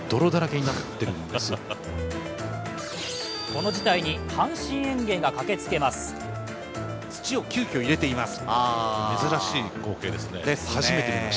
この事態に阪神園芸が駆けつけます。